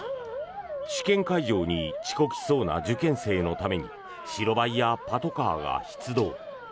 試験会場に遅刻しそうな受験生のために白バイやパトカーが出動。